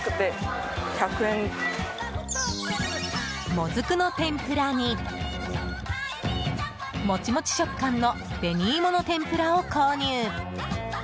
もずくの天ぷらにモチモチ食感の紅いもの天ぷらを購入。